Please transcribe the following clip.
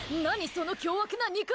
その凶悪な肉。